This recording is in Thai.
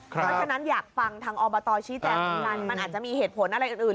เพราะฉะนั้นอยากฟังทางอบตชี้แจกเหมือนกันมันอาจจะมีเหตุผลอะไรอื่น